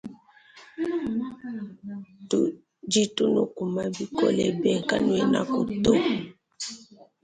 Tudi tunukuma bikole be kanuenaku to.